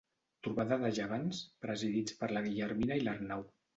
Trobada de gegants, presidits per la Guillermina i l'Arnau.